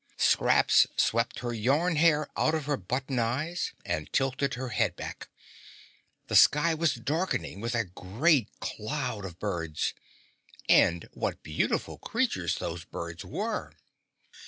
Scraps swept her yarn hair out of her button eyes and tilted her head back. The sky was darkening with a great cloud of birds. And what beautiful creatures those birds were!